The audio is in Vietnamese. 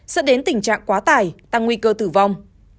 dẫn đến tình trạng quá tải tăng nguy cơ tử vong